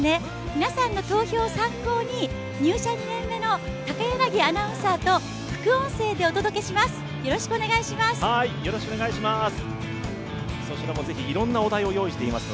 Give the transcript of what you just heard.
皆さんの投票を参考に、入社２年目の高柳アナウンサーと副音声でお届けします、よろしくお願いします。